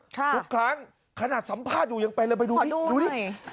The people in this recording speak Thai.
ทุกครั้งขนาดสัมภาษณ์อยู่ยังไปเลยไปดูสิ